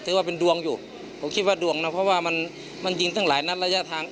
จนใดเจ้าของร้านเบียร์ยิงใส่หลายนัดเลยค่ะ